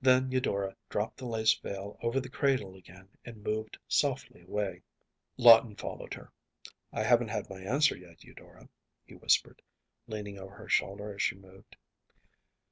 Then Eudora dropped the lace veil over the cradle again and moved softly away. Lawton followed her. “I haven’t my answer yet, Eudora,‚ÄĚ he whispered, leaning over her shoulder as she moved.